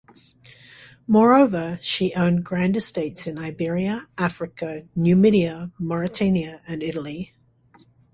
Moreover, she owned grand estates in Iberia, Africa, Numidia, Mauretania and Italy.